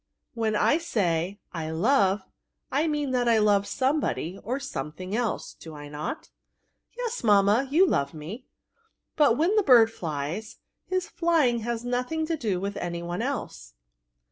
When I say I love, I mean that I love some body or something else; do I not?" '* Yes, mamma, you love me. '^ But when the bird flies, his flying has nothing to do with any one else."